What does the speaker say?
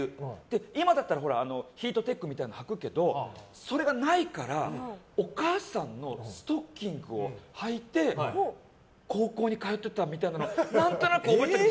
今だったらヒートテックみたいなのをはくけどそれがないからお母さんのストッキングをはいて高校に通ってたみたいなのを何となく覚えてる。